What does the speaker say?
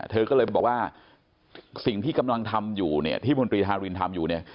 เธอก็เลยบอกว่าสิ่งที่กำลังทำอยู่เนี่ยที่มนตรีฮารินทำอยู่เนี่ย